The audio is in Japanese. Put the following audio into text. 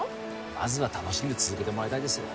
まずは楽しんで続けてもらいたいですよ